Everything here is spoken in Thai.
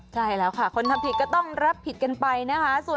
ใช่แล้วค่ะคนทำผิดก็ต้องรับผิดกันไปนะคะ